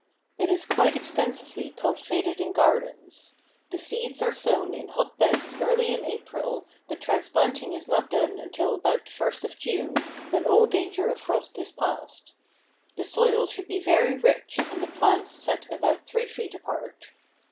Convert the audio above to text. It is quite extensively cultivated in gardens. The seeds are sown in hot beds early in April but transplanting is not done until about the first of June, when all danger of frost is past. The soil should be very rich and the plants set about three feet apart.